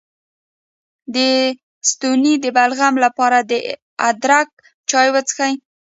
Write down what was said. د ستوني د بلغم لپاره د ادرک چای وڅښئ